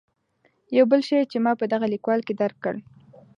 یو بل شی چې ما په دغه لیکوال کې درک کړ.